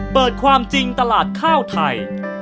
ความจริงตลาดข้าวไทย